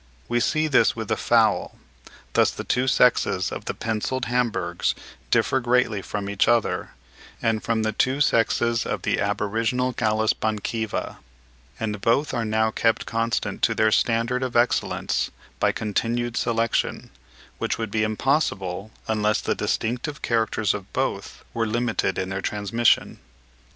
We see this with the fowl; thus the two sexes of the pencilled Hamburghs differ greatly from each other, and from the two sexes of the aboriginal Gallus bankiva; and both are now kept constant to their standard of excellence by continued selection, which would be impossible unless the distinctive characters of both were limited in their transmission.